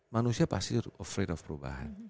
manusia pasti afraid of perubahan